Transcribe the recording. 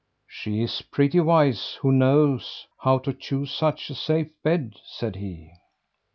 "She is pretty wise who knows how to choose such a safe bed," said he.